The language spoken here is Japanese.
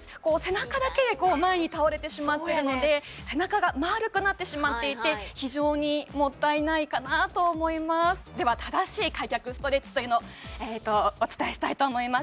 背中だけで前に倒れてしまってるので背中が丸くなってしまっていて非常にもったいないかなと思いますでは正しい開脚ストレッチというのをお伝えしたいと思います